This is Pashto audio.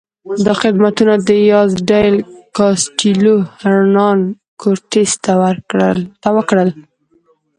دا خدمتونه دیاز ډیل کاسټیلو هرنان کورټس ته وکړل.